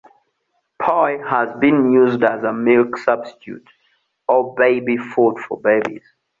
Poi has been used as a milk substitute or baby food for babies.